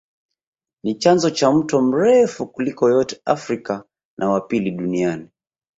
Ni chanzo cha mto mrefu kuliko yote Afrika na wa pili Duniani